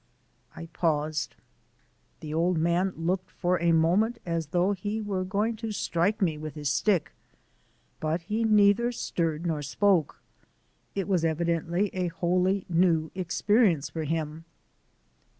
I paused. The old man looked for a moment as though he were going to strike me with his stick, but he neither stirred nor spoke. It was evidently a wholly new experience for him.